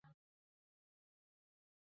学生食堂位于荆州楼西侧。